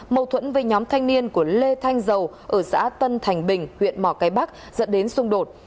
mâu thuẫn với nhóm thanh niên của lê thanh dầu ở xã tân thành bình huyện mỏ cái bắc dẫn đến xung đột